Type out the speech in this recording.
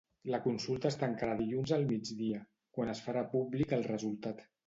La consulta es tancarà dilluns al migdia, quan es farà públic el resultat.